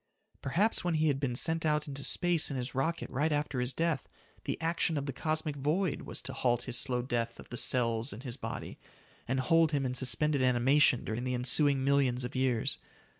Perhaps when he had been sent out into space in his rocket right after his death, the action of the cosmic void was to halt his slow death of the cells in his body, and hold him in suspended animation during the ensuing millions of years.